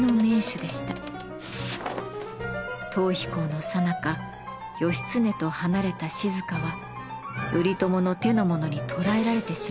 逃避行のさなか義経と離れた静は頼朝の手の者に捕らえられてしまいます。